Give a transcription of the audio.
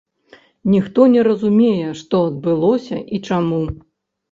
Ніхто не разумее, што адбылося і чаму.